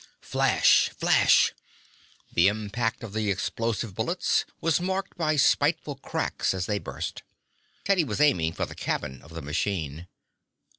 Flash! Flash! The impact of the explosive bullets was marked by spiteful cracks as they burst. Teddy was aiming for the cabin of the machine.